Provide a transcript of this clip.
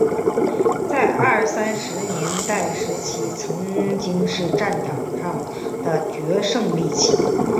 在二三十年代时期曾经是战场上的决胜利器。